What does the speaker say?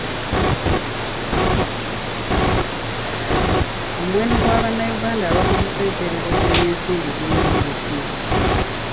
Omuwendo gwa Bannayunganda abakozesa empeereza z'ebyensimbi gweyongedde.